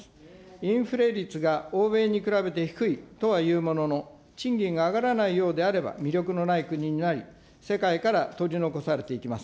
インフレ率が欧米に比べて低いとはいうものの、賃金が上がらないようであれば、魅力のない国になり、世界から取り残されていきます。